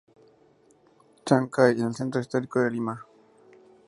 Chancay en el Centro Histórico de Lima.